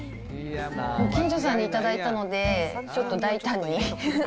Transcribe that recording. ご近所さんに頂いたので、ちょっと大胆に。